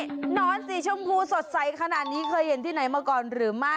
หนอนสีชมพูสดใสขนาดนี้เคยเห็นที่ไหนมาก่อนหรือไม่